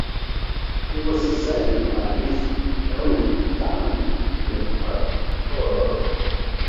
He was succeeded by his eldest son, the third Earl.